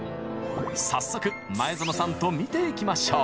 早速前園さんと見ていきましょう！